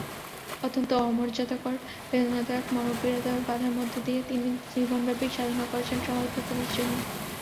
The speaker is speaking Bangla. অত্যন্ত অমর্যাদাকর-বেদনাদায়ক-মর্মপীড়াদায়ক বাধার মধ্য দিয়ে তিনি জীবনব্যাপী সাধনা করেছেন সমাজ প্রগতির জন্য।